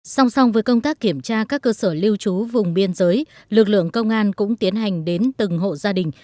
song song với công tác kiểm tra các cơ sở lưu trú vùng biên giới lực lượng công an cũng tiến hành đến từng hộ gia đình